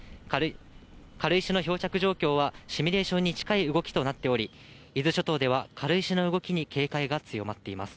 軽石の漂着状況は、シミュレーションに近い動きとなっており、伊豆諸島では軽石の動きに警戒が強まっています。